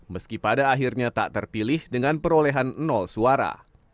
meskipada akhirnya tak terpilih dengan perolehan nol suara